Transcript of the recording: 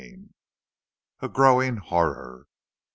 A GROWING HORROR.